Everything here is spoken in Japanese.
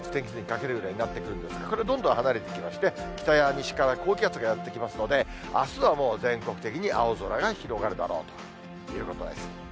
まあ、ちょっと低気圧、天気図に書けるぐらいになってくるんですが、これ、どんどん離れていくんですが、北や西から高気圧がやって来ますので、あすはもう、全国的に青空が広がるだろうということです。